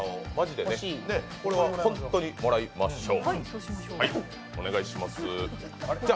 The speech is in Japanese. これは本当にもらいましょう。